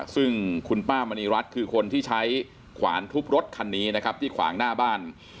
ซึ่งคุณป้ามณีรัฐคือคนที่ใช้ขวานทุบรถคันนี้นะครับที่ขวางหน้าบ้าน